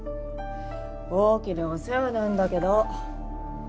大きなお世話なんだけど。